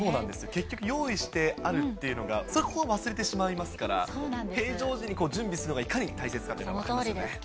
結局用意してあるっていうのをそこを忘れてしまいますから、平常時に準備するのがいかに大切かというのが分かりますよね。